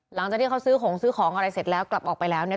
หลังจากที่เขาซื้อของซื้อของอะไรเสร็จแล้วกลับออกไปแล้วเนี่ย